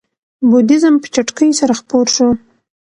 بودیزم په چټکۍ سره خپور شو.